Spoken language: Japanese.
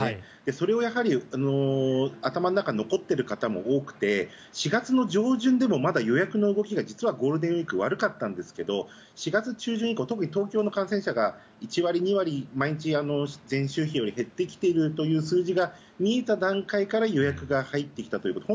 それがやはり頭の中に残っている方も多くて４月上旬でもまだ予約の動きが実はゴールデンウィーク悪かったんですが４月中旬以降特に東京の感染者数が１割、２割、毎日前週比より減ってきているという数字が見えた段階から予約が入ってきたということ。